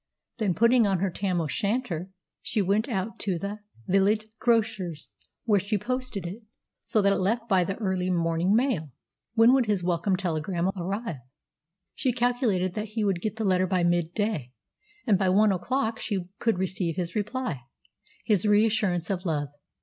Then, putting on her tam o' shanter, she went out to the village grocer's, where she posted it, so that it left by the early morning mail. When would his welcome telegram arrive? She calculated that he would get the letter by mid day, and by one o'clock she could receive his reply his reassurance of love.